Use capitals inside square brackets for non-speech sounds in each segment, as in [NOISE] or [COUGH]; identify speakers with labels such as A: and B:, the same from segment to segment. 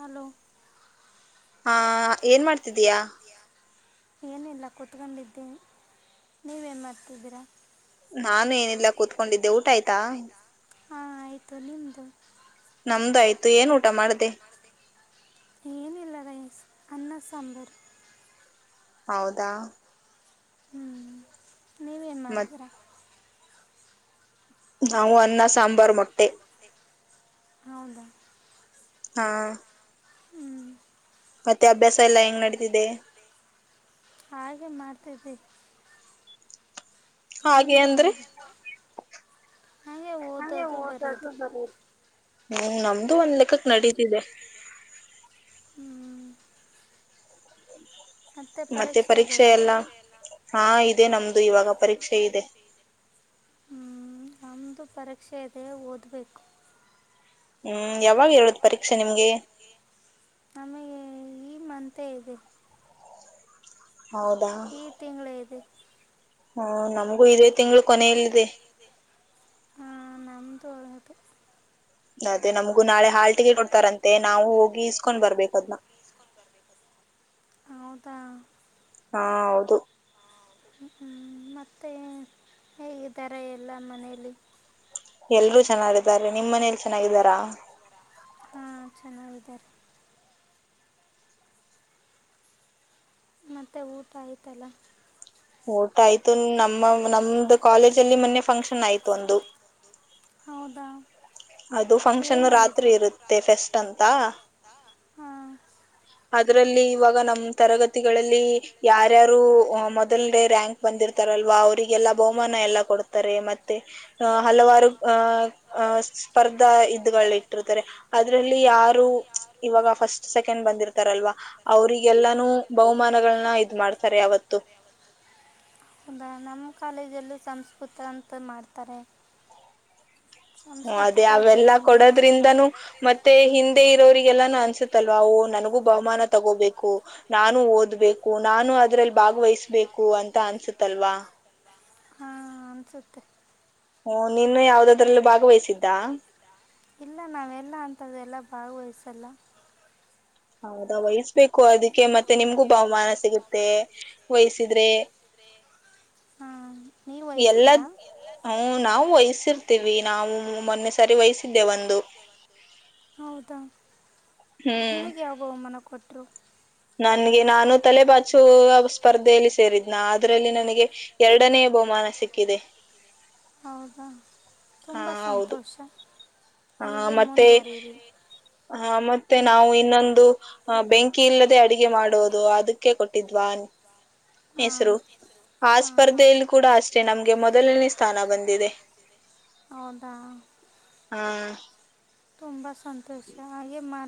A: hello
B: ಹಾ ಹಾ ಏನ್ ಮಾಡ್ತಿದ್ದಿಯ
A: ಏನಿಲ್ಲ ಕುತ್ಕೊಂಡಿದ್ದೇ ನೀವೇನ್ ಮಾಡ್ತಿದ್ದೀರಾ
B: ನಾನು ಏನಿಲ್ಲ ಕೂತ್ಕೊಂಡಿದ್ದೆ ಊಟ ಆಯ್ತಾ
A: ಹಾಂ ಆಯಿತು ನಿಮ್ಮದು
B: ನಮ್ದು ಆಯ್ತು ಮತ್ತೆ ಏನ್ ಊಟ ಮಾಡ್ದೆ
A: ಅನ್ನ ಸಾಂಬರ್
B: ಹೌದಾ
A: ಹ್ಮ್ ಹ್ಮ್ ನೀವ್ ಏನ್ ಮಾಡಿ
B: ನಾವು ಅನ್ನ ಸಾರ್
A: ಅನ್ನ ಸಾಂಬಾರ್ ಮೊಟ್ಟೆ ಹೌದಾ
B: ಹಾ ಹಾ
A: ಹ್ಮ್ ಮತ್ತೆ ಅಭ್ಯಾಸ ಇಲ್ಲ ಏನ್ ಮಾಡ್ತಾ ಇದ್ದೀಯ ಆಗೇ ಮಾಡ್ತಾ ಇದ್ದೇನೆ
B: ಹಾಗೆ ಅಂದ್ರೆ ಹಂಗೆ ಓದೋದು ಬರೀಯೋದು ಹ್ಮ್ ನಮ್ದು ಒಂದ್ ಲೆಕ್ಕಕ್ಕ ನಡೀತಿದೆ
A: ಹ್ಮ್
B: ಮತ್ತೆ ಪರೀಕ್ಷೆ ಎಲ್ಲ ಹಾ ಇದೆ ನಮ್ದು ಇವಾಗ ಪರೀಕ್ಷೆ ಇದೆ
A: ಹ್ ನಮ್ಮದು ಪರೀಕ್ಷೆ ಇದೆ ಓದಬೇಕು ಯ ಪರೀಕ್ಷ ನಿ ನಮಗೆ [UNINTELLIGIBLE] ಈ ಮಂತ್ ಇದೆ ಈ ತಿಂಗಳ ಇದೆ
B: ಹ್ಮ ನಮ ಇದೆ ತಿಂಗಳು ಕೊನೆಯಲ್ಲಿದೆ
A: ಹ ನಮದು ಹದೆ
B: ಅದೆ ನಮ್ ನಂಗು ನಾಳೆ ಹಾಳ್ ಟಿಕೆಟ್ ಕೊಡ್ತಾರಂತೆ ನಾವು ಹೋಗಿ ಇಸ್ಕೊಂಡ್ ಬರ್ಬೇಕ ಅದ್ನ್ನ
A: ತ್ತಾ
B: ಹಾ ಹೌದು
A: ಹ್ಮ ಮತ್ತೆ ಹೇಗಿದ್ದಾರೆ ಎಲ್ಲ ಮನೇಲಿ
B: ಎಲ್ರೂ ಚೆನ್ನಾಗಿದ್ದಾರೆ ನಿಮ್ಮ್ ಮನೇೆಯಲ್ಲಿ ಚೆನ್ನಾಗಿದ್ದಾರಾ
A: ಹಾಂ ಚೆನ್ನಾಗಿದ್ದಾರೆ ಮತ್ತೆ ಊಟ ಆಯ್ತಲ್ಲ
B: ಊಟ ಆಯ್ತ ನಮ್ಮ ನಮ್ದ ಕಾಲೇಜ್ ಅಲ್ಲಿ ಮೊನ್ನೆ ಫಂಕ್ಷನ್ ಆಯ್ತು ಒಂದು
A: ಹೌದಾ
B: ಅದು ಫಂಕ್ಷನ್ ರಾತ್ರಿ ಇರುತ್ತೆ ಫೆಸ್ಟ್ ಅಂತ ಅದ [INAUDIBLE] ಅದರಲ್ಲಿ ಇವಾಗ ನಮ್ಮ್ ತರಗತಿಗಳಲ್ಲಿ ಯಾರ್ಯಾರು ಮೊದಲೇ ರ್ಯಾಂಕ್ ಬಂದಿರ್ತಾರಲ್ವಾ ಅವರಿಗೆಲ್ಲ ಬಹುಮಾನ ಎಲ್ಲ ಕೊಡ್ತಾರೆ ಮತ್ತೆ ಹಲವಾರು ಅ ಸ್ಪರ್ಧಾ ಇದಗಳು ಇಟ್ಟಿರ್ತಾರೆ ಅದರಲ್ಲಿ ಯಾರು ಇವಾಗ ಫಸ್ಟ್ ಸೆಕೆಂಡ್ ಬಂದಿರ್ತ [INAUDIBLE] ಅವ್ರಿಗೆಲ್ಲಾನು ಬಹುಮಾನಗಳನ್ನ ಇದ್ ಮಾಡ್ತಾರೆ ಯಾವತ್ತು
A: ಎಲ್ಲೂ ಸಂಸ್ಕೃತ ಅಂತ ಮಾಡ್ತಾರೆ
B: ಅದೇ ಅವೆಲ್ಲಾ ಕೊಡೋದ್ರಿಂದನೂ ಮತ್ತೆ ಹಿಂದೆ ಇರೋರಿಗೆಲ್ಲಾನು ಅನ್ಸತ್ತಲ್ವಾ ಓ ನನ್ಗೂ ಬಹುಮಾನ ತಗೋಬೇಕು ನಾನು ಓದ್ಬೇಕು ನಾನು ಅದ್ರಲ್ಲಿ ಭಾಗವಹಿಸಬೇಕು ಅಂತ ಅನ್ಸತ್ತಲ್ವಾ
A: ಹಾ ಅನ್ಸುತ್ತೆ
B: ಹ ನೀನು ಯಾವ್ದ
A: ಇಲ್ಲ ನಾವೆಲ್ಲ ಅಂತ ಎಲ್ಲಾ ಭಾಗವಹ ಸಲ
B: ಹೌದಾ ವಯಸ ಬೇಕು ಅದಕ್ಕೆ ಮತ್ತೆ ನಿಮ್ಗೂ ಬಹುಮಾನ ಸಿಗುತ್ತೆ ವಹಹಿಸಿದ್ರೆ
A: ಹ್ಮ
B: ಎಲ್ಲದ ಹ ನಾವು ವಯಸರ್ತ [UNINTELLIGIBLE] ತಿವಿ ನಾವು ಮೊನ್ನೆ ಸರಿ ವಯಸಿದ್ದೇ ಒಂದು ಹ್ಮ್
A: ಕೊಟ್ರು
B: ನಾ ನನ್ಗೆ ನಾನು ತಲೆಬಾಚುವ ಸ್ಪರ್ಧೆಯಲ್ಲಿ ಸೇರಿದ್ನ ಅದ್ರಲ್ಲಿ ನನಗೆ ಎರಡನೇ ಬಹುಮಾನ ಸಿಕ್ಕಿದೆ
A: ಹೌದಾ ತುಂಬ ಸಂತೋಷ ಹೀಗೆ ಮುಂದುವರೀರಿ
B: ಹಾ ಮತ್ತು ಮತ್ತೆ ನಾವು ಇನ್ನೊಂದು ಬೆಂಕಿ ಇಲ್ಲದೆ ಅಡಗೆ ಮಾಡೋದು ಅದಕ್ಕೆ ಕೊಟ್ಟಿದ್ವಿ ಹೆಸರು ಆ ಸ್ಪರ್ಧೆಯಲ್ಲಿ ಕೂಡ ಅಷ್ಟೇ ನಮ್ಗೆ ಮೊದಲನೇ ಸ್ಥಾನ ಬಂದಿದೆ ಹ್ಮ
A: ತುಂಬಾ ಸಂತೋಷ ಹಾಗೆ ಮಾ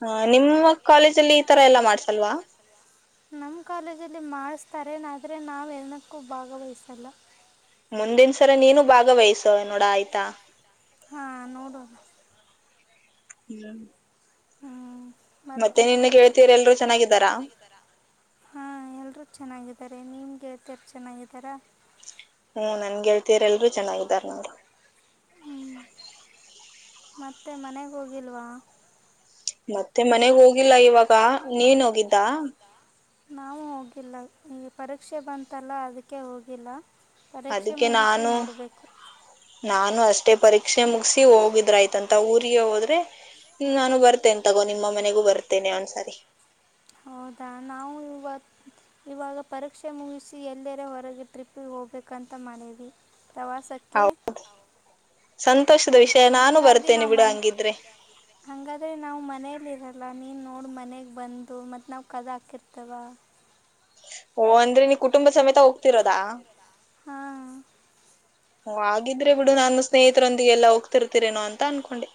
B: ಹ ನಿಮ್ಮ್
A: ನಿಮ್ಮ ಕಾಲೇಜಲ್ಲಿ ಇತರ ಎಲ್ಲ ಮಾಡಿಸಲ್ವಾ ನಮ್ ಕಾಲೇಜ್ ಅಲ್ಲಿ ಮಾ ಮಾಡುಸ್ತಾರೆ ನಾವು ಎನಕ್ಕೂ ಭಾಗವಹಿಸಲ್ಲ
B: ಮುಂದಿನಸರ ನೀನು ಭಾಗವಹಿಸ ಸ ನೋಡ ಆಯ್ತಾ [UNINTELLIGIBLE] ಮತ್ತೆ ನಿನ್ನ ಗೆಳತಿಯರು ಎಲ್ಲರೂ ಚೆನ್ನಾಗಿದ್ದಾರಾ
A: ರೆ ನಿಮ್ಮ ಗೆಳತಿಯರು ಚೆನ್ನಾಗಿದ್ದಾರಾ
B: ಹ್ಮ್ ನನ್ ಗೆಳತಿಯರು ಎಲ್ರು ಚೆನ್ನಾಗಿದಾರ ನೋಡು
A: ಹೂ ಮತ್ತೆ ಮನೆಗೆೋಗಿಲ್ವಾ
B: ಮತ್ ಮತ್ತೆ ಮನೆಗ್ ಹೋಗಿಲ್ಲ ಇವಾಗ ನೀನ್ ಹೋಗಿದ್ದ
A: ನಾವು ಹೋಗಿಲ್ಲ ಈ ಪರೀಕ್ಷೆ ಬಂತಲ್ಲ ಅದಕ್ಕೆ ಹೋಗಿಲ್ಲ
B: ಅದಕ್ಕೆ ನಾನು ನಾನು ಅಷ್ಟೇ ಮತ್ತೆ ಪರೀಕ್ಷೆ ಮುಗಸಿ ಹೋಗಿದ್ರ ಆಯ್ತಂತ ಊರಿಗೆ ಹೋದ್ರೆ ನಾನು ಬರ್ತೀನಿ ತಗೋ ನಿಮ್ಮ ಮನೆಗೂ ಬರ್ತೀನಿ ಒಂದು ಸರಿ
A: ಹೌದಾ ನಾವು ಇವ ಇವಾಗ ಪರೀಕ್ಷೆ ಮುಗಿಸಿ ಎಲ್ಲೆರೆ ಹೊರಗೆ ಟ್ರಿಪ್ಪಿಗೆ ಹೋಗ್ಬೇಕಂತ ಮಾಡೀವಿ ಪ್ರವಾಸಕ್ಕೆ ಹೂ ಹೌದಾ ಹಂಗಾಗಿ ನಾವ್ ಮ ಹಂಗಾದ್ರೆ ನಾವು ಮನೆಯಲ್ಲಿರನ ಎಲ್ಲ ನೀನು ನೋಡಿ ಮನೆಗೆ ಬಂದು ಮತ್ತು ನಾವು ಕದ ಹಾಕಿರ್ತವೆ
B: ಓ ಅಂದ್ರೆ ನೀ ಕುಟುಂಬ ಸಮೇತ ಹೋಗ್ತಿರೋದಾ
A: ಹಾ
B: ಹ ಹಾಗಗಿದ್ರೆ ಬಿಡು ನಾನು ಸ್ನೇಹಿತರೊಂದಿಗೆ ಎಲ್ಲಾ ಹೋಗ್ತಿರ್ತೀರೇನೋ ಅಂತ ಅನ್ಕೊಂಡೆ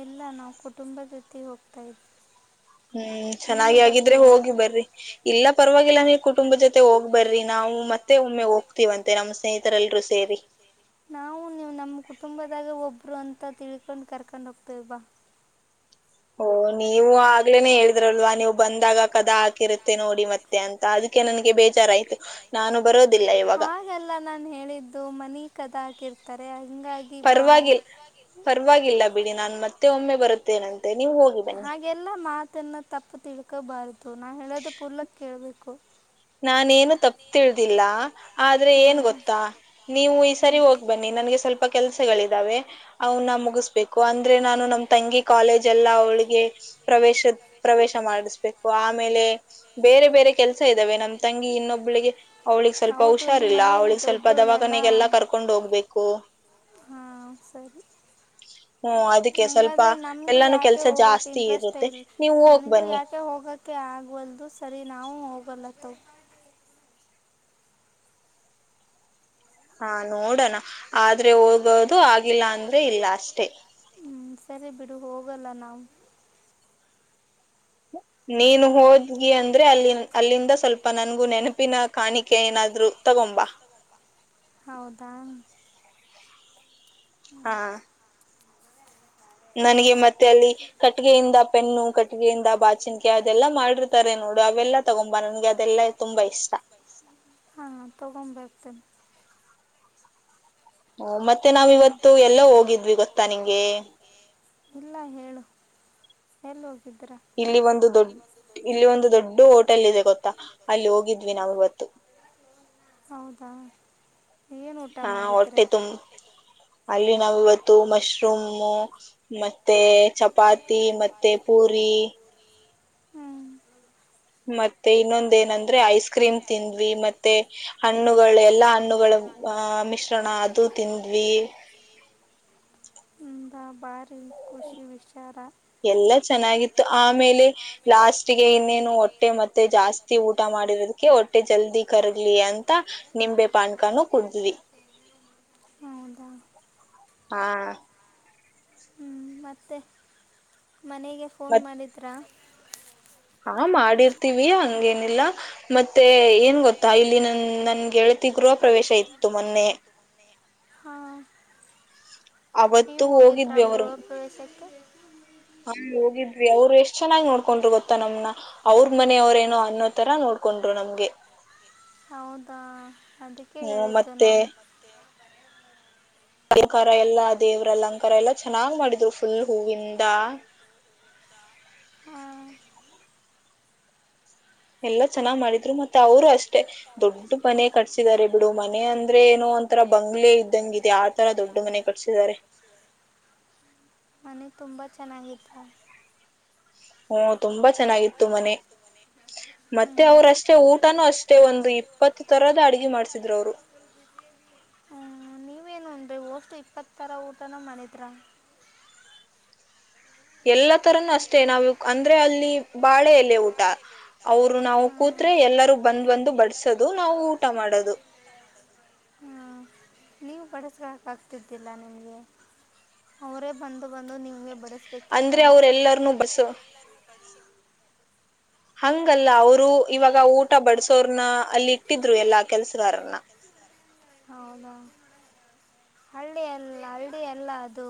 A: ಇಲ್ಲ ನಾವು ಕುಟುಂಬ ಜೊತೆ ಹೋಗ್ತಾ ಇದೀವಿ
B: ಹ್ಮ್ ಚೆನ್ನಾಗಿ ಆಗಿದ್ರೆ ಹೋಗಿ ಬರ್ರಿ ಇಲ್ಲ ಪರವಾಗಿಲ್ಲ ನೀ ಕುಟುಂಬ ಜೊತೆ ಹೋಗ್ ಬರ್ರಿ ನಾವು ಮತ್ತೆ ಒಮ್ಮೆ ಹೋಗ್ತೀವಂತೆ ನಮ್ಮ್ ಸ್ನೇಹಿತರೆಲ್ರೂ ಸೇರಿ
A: ನಾವು ನೀವು ನಮ್ಮ ಕುಟುಂಬದಾಗ ಒಬ್ರು ಅಂತ ತಿಳ್ಕೊಂಡ್ ಕರ್ಕೊಂಡ್ ಹೋಗ್ತೇವ ಬಾ
B: ಓ ನೀವು ಆಗ್ಲೇನೆ ಹೇಳಿದ್ರಲ್ವಾ ನೀವು ಬಂದಾಗ ಕದ ಹಾಕಿರುತ್ತೆ ನೋಡಿ ಮತ್ತೆ ಅಂತ ಅದಕ್ಕೆ ನನ್ಗೆ ಬೇಜಾರಾಯ್ತು ನಾನು ಬರೋದು
A: ಹಾಗೆಲ್ಲ ನಾನ್ ಹೇಳಿದ್ದು ಮನಿ ಕದಾ ಇರ್ತಾರೆ [UNINTELLIGIBLE]
B: ಪರವಾಗಿಲ್ ಪರವಾಗಿಲ್ಲ ಬಿಡಿ ನಾನ್ ಮತ್ತೆ ಒಮ್ಮೆ ಬರುತ್ತೆ ನ [INAUDIBLE]
A: ಹಾಗೆಲ್ಲ ಮಾತನ್ನ ತಪ್ಪು ತಿಳ್ಕೋಬಾರ್ದು ನಾ ಹೇಳೋದ ಪುಲಕೆಳ್ಬೇಕು
B: ನಾನೇನು ತಪ್ಪತಿಳ್ದಿಲ್ಲ ಆದ್ರೆ ಏನ್ ಗೊತ್ತಾ ನೀವು ಈ ಸರಿ ಹೋಗ್ ಬನ್ನಿ ನನ್ಗೆ ಸ್ವಲ್ಪ ಕೆಲ್ಸ ಿದಾವೆ ಅವನ್ನ ಮುಗಿಸ್ಬೇಕು ಅಂದ್ರೆ ನಾನು ನಮಮ್ಮ ತಂಗಿ ಕಾಲೇಜ್ [UNINTELLIGIBLE] ಎಲ್ಲಾ ಅವಳಿಗೆ ಪ್ರವೇಶ ಪ್ರವೇಶ ಮಾಡಿಸ್ಬೇಕು ಆಮೇಲೆ ಬೇರೆ ಬೇರೆ ಕೆಲಸ ಇದ್ದಾವೆ ನಮ ಅಂಗೆ ಇನ್ನೊಬ್ಬಳಿಗೆ ಅವ್ಳಿಗೆ ಸ್ವಲ್ಪ ಹುಷಾರಿಲ್ಲ ಅವ್ಳಿಗೆ ಸ್ವಲ್ಪ ದವಾಖಾನೆಗೆಲ್ಲಾ ಕರ್ಕೊಂಡ್ ಹೋಗ್ಬೇಕು ಕ [INAUDIBLE]
A: ಹಾ ಸರಿ ಹಂಗಾದ್ರೆ ನಮಗೂ ಯಾಕೆ ಹೋಗಕ್ ಇಂಟ್ರೆಸ್ಟ್ ಇಲ್ ನನ್ಗೂ ಯಾಕೆ ಹೋಗಕ ಆಗವಲ್ದು ಸರಿ ನಾವು ಹೋಗಲ್ಲ ತ್ತ [INAUDIBLE]
B: ಹಾ ನೋಡೋಣ ಆದ ಅಂದ್ರೆಹೋಗೋದು ಆಗಿಲ್ಲ ಅಂದ್ರೆ ಅಷ್ಟೇ [UNINTELLIGIBLE]
A: ಸರಿ ಬಿಡು ಹೋಗಲ್ಲ ನಾವು
B: ಹ [INAUDIBLE] ನೀನು ಹೋದ್ಗಿ ಅಂದ್ರೆ ಅಲ್ಲಿ ಅಲ್ಲಿಂದ ಸ್ವಲ್ಪ ನನ್ ನೆನಪಿನ ಕಾಣಿಕೆ ಏನಾದ್ರು ತಗೊಂಬಾ
A: ಹೌದಾ
B: ಹಾ ನನ್ಗೆ ಮತ್ತೆ
A: ಮತೆ ಅಲ್ಲಿ ಕಟಗೆಯಿಂದ ಪೆನ್ನು ಕಟಗೆಯಿಂದ ಬಾಚಣಕ ಅದೆಲ್ಲಾ ಮಾಡಿರತಾರೆನೋ ಡುಅವೆಲ್ಲ ತಗೊಂಬಾ ನನಗೆಅದೆಲ್ಲ ತುಂಬಾ ಇಷ್ಟ ಇಷ್ಟ ಹಾ ತಗೊ ಬರ್ತೇನೆ
B: ಹ ಮತ್ತೆ ನಾವ್ ಇವತ್ತು ಎಲ್ಲ ಹೋಗಿದ್ವಿ ಗೊತ್ತಾ ನಿಂಗೆ
A: ಇಲ್ಲ ಹೇಳು ಎಲ್ಲ
B: ಇಲ್ಲಿ ಒಂದು ದೊಡ್ಡ ಇಲ್ಲಿ ಒಂದು ದೊಡ್ಡ ಹೋಟೆಲ್ ಇದೆ ಗೊತ್ತಾ ಅಲ್ಲಿ ಹೋಗಿದ್ವಿ ನಾವು ಇವತ್ತು ಹಾ ಒಟ್ಟೆ ತುಮ ಅಲ್ಲಿ ನಾವ್ ಇವತ್ ಮತ್ತು ಮಶ್ರೂಮೂ ಮತ್ತೆ ಚಪಾತಿ ಮತ್ತೆ ಪೂರಿ ಮತ್ತೆ ಇನ್ನೊಂದ ಏನಂದ್ರೆ ಐಸ್ ಕ್ರೀಮ್ ತಿಂದ್ವಿ ಮತ್ತೆ ಹಣ್ಣುಗಳು ಎಲ್ಲಾ ಹಣ್ಣುಗಳ ಮಿಶ್ರಣ ಹ ಅದು ತಿಂದ್ವಿ
A: ಹ್ಮ್ ಹೌದಾ ಭಾರಿ ಕುಷಿ ವಿಚಾರ
B: ಚೆನ್ನಾಗಿತ್ತು ಆಮೇಲೆ ಲಾಸ್ಟ್ಗೆ ಇನ್ನೇನು ಹೊಟ್ಟೆ ಮತ್ತೆ ಜಾಸ್ತಿ ಊಟ ಮಾಡಿರೋದಕ್ಕೆ ಹೊಟ್ಟೆ ಜಲ್ದಿ ಕರಗ್ಲಿ ಅಂತ ನಿಂಬೆ ಪಾಣ್ಕಾನು ಕುಡಿದ್ವಿ ಹಾ
A: ಮತ್ತೆ ಮನೆಗೆ ಫೋನ್ ಮಾಡಿದ್ರಾ
B: ಹಾ ಮಾಡಿರ್ ತಿವಿ ಹಂಗೇನಿಲ್ಲ ಮತ್ತೆ ಏನ್ ಗೊತ್ತಾ ಇಲ್ಲಿ ನನ್ ನನ್ ಗೆಳತಿ ಗೃಹಪ್ರವೇಶ ಇತ್ತು ಮೊನ್ನೆ ಅವತ್ತು ಹೋಗಿದ್ವಿ ಅವರ ಹಾ ಹೋಗಿದ್ವಿ ಅವ್ರು ಎಷ್ಟ್ ಚೆನ್ನಾಗ್ ನೋಡ್ಕೊಂಡ್ರು ಗೊತ್ತಾ ನಮ್ನ ಅವ್ರ ಮನೆಯವ್ರೇನೋ ಅನ್ನೋ ತರ ನೋಡ್ಕೊಂಡ್ರು ನಮ್ಗೆ
A: ಹೌದಾ ಅದೀಕ್ಕೆ ಹೇಳಿದ್ದು ನಾನು
B: ಅಲಂಕಾರ ಎಲ್ಲಾ ದೇವ್ರ ಅಲಂಕಾರ ಎಲ್ಲಾ ಚೆನ್ನಾಗ್ ಮಾಡಿದ್ರು ಫುಲ್ ಹೂವಿಂದ ಆ
A: ಹಾ
B: ಎಲ್ಲ ಚೆನ್ನಾಗ್ ಮಾಡಿದ್ರು ಮತ್ತೆ ಅವರು ಅಷ್ಟೆ ದೊಡ್ಡ ಮನೆ ಕಟ್ಸಿದಿದಾರೆ ಬಿಡು ಮನೆ ಅಂದ್ರೆ ಏನೋ ಒಂತರ ಬಂಗ್ಲೆ ಇದ್ದಂಗಿದೆ ಆತರ ದೊಡ್ಡ ಮನೆ ಕಟ್ಸಿದ್ದರೆ
A: ಚೆನ್ನಾಗ್ ಇತ್ತಾ
B: ಹ್ಮ ತುಂಬಾ ಛೆ
A: ತುಂಬಾ ಚೆನ್ನಾಗ್ ಇತ್ತು ಮನೆ ಹ್ಮ ಮತ್ತೆ ಅವರಷ್ಟೇ ಊಟನು ಅಷ್ಟೇ ಒಂದ್ ಇಪ್ಪತ್ ತರದ ಅಡುಗೆ ಮಾಡವ್ರೇ ಹಾ ನೀವೇನು ಉಂಡ್ರಿ ಹೋ ಮತ್ತು ಇಪ್ಪತ್ ತರಾ ಊಟನು ಮಾಡಿದ್ರಾ
B: ಎಲ್ಲಾ ತರನು ಅಷ್ಟೇ ನಾವು ಇವ್ ಅಂದ್ರೆ ಅಲ್ಲಿ ಬಾಳೆ ಎಲೆ ಊಟಾ ಅವ್ರು ನಾವು ಕೂತ್ರೆ ಎಲ್ಲರೂ ಬಂದ್ ಬಂದು ಬಡಸೋದು ನಾವು ಊಟ ಮಾಡದು
A: ನೀವ್ ಬಡಸಕ್ ಆಗ್ತಿದಿಲ್ಲಾ ನಿಮ್ಗೆ ಅವರೇ ಬಂದು ಬಂದು ನಿಮ್ಗೆ ಬಡ
B: ಅಂದ್ರೆ ಅವ್ರ ಎಲ್ಲರ್ನೂ ಬಡ್ಸು ಹಂಗಲ್ಲ ಅವರು ಇವಾಗ ಊಟ ಬಡಸ ಹಂತೋರನ ಅಲ್ಲಿ ಇಟ್ಟಿದ್ರು ಎಲ್ಲಾ ಕೆಲಸಗಾರರನ
A: ಹೌದಾ ಹಳ್ಳಿ ಎಲ್ಲ ಹಳ್ಳಿ ಅಲ್ಲಾ ಅದು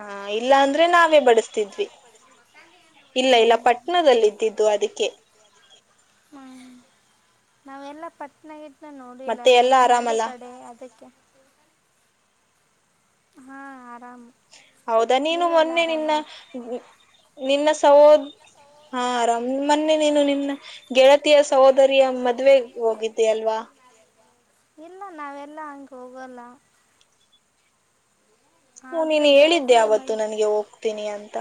B: ಹಾ ಇಲ್ಲಾ ಅಂದ್ರೆ ನಾವೇ ಬಡಸ್ ತಿದ್ವಿ ಇಲ್ಲ ಇಲ್ಲ ಪಟ್ನದಲ್ಲಿ ಇದ್ದಿದ್ದು ಅದೀಕ್ಕೆ
A: ನಾವೆಲ್ಲಾ ಪಟ್ನಾ ಗಿಟ್ ನಾ ನೋಡಿಲ್ಲಲ್ಲ ನಾವ್ ಹಳ್ಳಿ ಕಡೆ ಅದಕ್ಕೆ ಹಾ ಆರ
B: ಹೌದಾ ನೀನು ಮೊನ್ನೆ ನಿನ್ನಾ ನಿನ್ನ ಸವೋದ್ ಹಾ ಆರಾಮ್ ಮೊನ್ನೆ ನೀನು ನಿನ್ನ ಗೆಳತ್ ಗೆಳತಿಯ ಸಹೋದರಿಯ ಮದ್ವೆಗ್ ಹೋಗಿದ್ದೆ ಅಲ್ವಾ
A: ಇಲ್ಲ ನಾವೆಲ್ಲಾ ಹಂಗ ಹೋಗಲ್ಲ
B: ಹು ನೀನು ಹೇಳಿದ್ದೆ ಅವತ್ತು ನನ್ಗೆ ಹೋಗ್ತೀನಿ ಅಂತ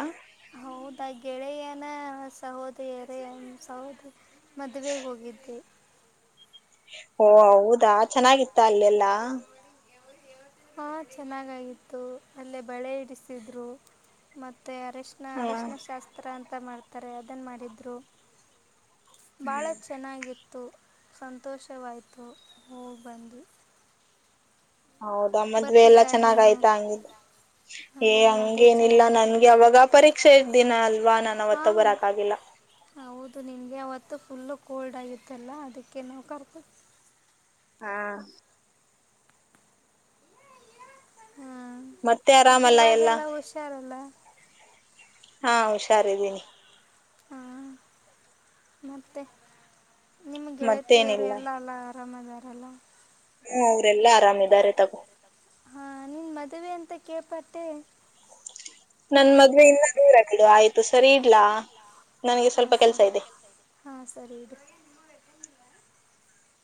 A: ತ ಗೆಳೆಯನ ಸಹೋದಿಯರೇ ನಿಮ್ಮ ಸೌದಿ ತ ಮದುವೆಗೆ ಹೋಗಿದ್ದೆ
B: ಓ ಹೌದಾ ಚೆನ್ನಾಗಿತ್ತ ಅಲ್ಲೆಲ್ಲಾ
A: ಹಾ ಚೆನ್ನಾಗಾಗಿತ್ತು ಅಲ್ಲೇ ಬಳೆ ಇಡಿಸಿದ್ರು ಮತ್ತೆ ಮತ್ತೆ ಅರಿಶಿನ ಅರಿಶಿನಶಾಸ್ತ್ರ ಅಂತ ಅಂತ ಮಾಡ್ತಾರೆ ಅದನ್ನು ಮಾಡಿದರು ಬಾಳ ಚೆನ್ನಾಗಿ ತು ಸಂತೋಷವಾಯಿತು ಹೋಗಿಬಂದ್ವಿ
B: ಹೌದಾ ಮದ್ವೆ ಎಲ್ಲಾ ಚೆನ್ನಾಗ ಆಯ್ತಾ ಹಂಗಿದ್ರ ಏ ಹಂಗೇನಿಲ್ಲ ನನ್ಗೆ ಅವಾಗ ಪರೀಕ್ಷೆ ಇದ್ದ ದಿನಾ ಅಲ್ವಾ ನಾನ ಅವತ್ತ ಬರಕ್ ಆಗಿಲ್ಲ
A: ಮತ್ತು ಫುಲ್ಲು ಕೋಲ್ಡ್ ಆಗಿತ್ತಲ್ಲ ಅದಕ್ಕೆ ನೋವು ಕರ್ದು
B: ಹಾ
A: ಹ್ಮ್ ಮತ್ತೆ ಇವಾಗೆಲ್ಲ ಹುಷಾರಲ್ಲ
B: ಹಾ ಹುಷಾರಿರಿ
A: ಹಾ ಮತ್ತೆ ನಿಮ್ ಗೆಳೆತಿಯರು ಎಲ್ಲ ಅಲ್ಲ ಅರಾಮ್ಅದರಲ್ಲ
B: ಹ್ಮ ಅವರೆಲ್ಲಾ ಆರಾಮ್ ಇದಾರೆ ತಗೊ
A: ಹಾ ನಿನ್ ಮದುವೆ ಅಂತ ಕೇಪಟ್ಟೆ
B: ನನ್ ಮದುವೆ ಇಲ್ಲ ದೂರ ಅಗಿಲಾವ್ವ್ ಇದು ಸರಿ ಇಡ್ಲಾ ನನ್ಗೆ ಸ್ವಲ್ಪ ಕೆಲ್ಸ ಇದೆ